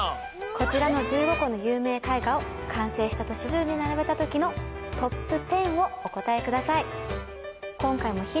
こちらの１５個の有名絵画を完成した年順に並べた時のＴＯＰ１０をお答えください